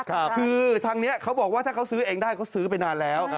คือทางนี้เขาบอกว่าถ้าเขาซื้อเองได้เขาซื้อไปนานแล้ว